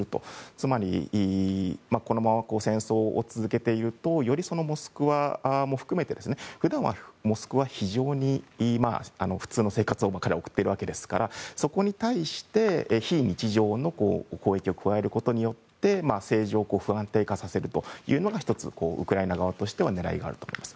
つまりこのまま戦争を続けているとよりモスクワも含めて普段はモスクワは非常に普通の生活を送っているわけですからそこに対して、非日常の攻撃を加えることによって政情を不安定化させるというのが１つウクライナ側としては狙いがあると思います。